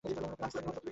আর আপনার স্ত্রী?